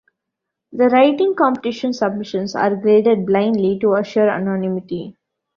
The writing competition submissions are graded blindly to assure anonymity.